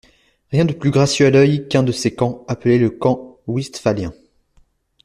Rien de plus gracieux à l'œil qu'un de ces camps, appelé le camp westphalien.